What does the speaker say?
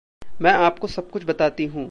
मैं आपको सब कुछ बताती हूँ।